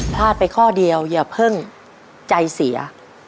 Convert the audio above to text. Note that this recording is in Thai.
พลาดไปข้อเดียวอย่าเพิ่งใจเสีย